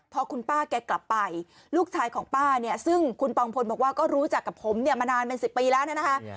พอคุณป้าแกกลับไปลูกชายของป้าเนี่ยซึ่งคุณปองพลบอกว่าก็รู้จักกับผมเนี่ยมานานเป็น๑๐ปีแล้วเนี่ยนะคะ